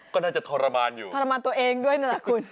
ก็น่าจะทรมานอยู่ทรมานตัวเองด้วยนั่นแหละคุณ